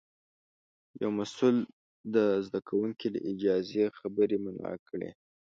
یو مسوول د زده کوونکي له اجازې پرته خبرې منع کړې.